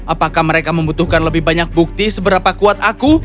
apakah mereka membutuhkan lebih banyak bukti seberapa kuat aku